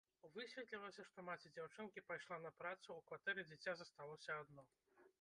Высветлілася, што маці дзяўчынкі пайшла на працу, у кватэры дзіця засталося адно.